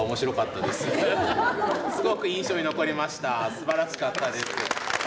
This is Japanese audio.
すばらしかったです。